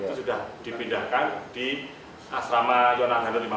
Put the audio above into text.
itu sudah dipindahkan di asrama yonagada lima belas